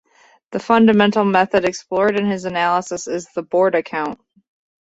The fundamental method explored in his analysis is the Borda count.